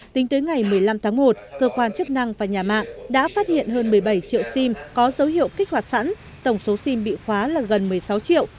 tính tới ngày một mươi năm tháng một cơ quan chức năng và nhà mạng đã phát hiện hơn một mươi bảy triệu sim có dấu hiệu kích hoạt sẵn tổng số sim bị khóa là gần một mươi sáu triệu